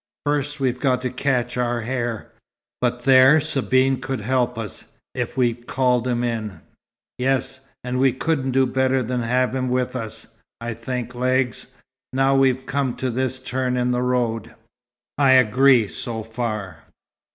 "First we've got to catch our hare. But there Sabine could help us, if we called him in." "Yes. And we couldn't do better than have him with us, I think, Legs, now we've come to this turn in the road." "I agree so far.